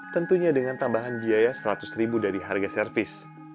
tentunya dengan tambahan biaya seratus ribu dari harga servis